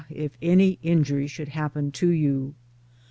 if any injury should happen to you